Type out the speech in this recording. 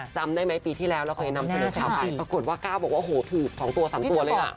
จำได้ไหมปีที่แล้วเราเคยนำเสนอข่าวไปปรากฏว่าก้าวบอกว่าโหถูก๒ตัว๓ตัวเลยอ่ะ